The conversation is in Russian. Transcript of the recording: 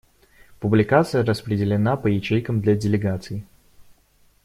Публикация распределена по ячейкам для делегаций.